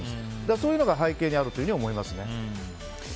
そういうのが背景にあると思いますね。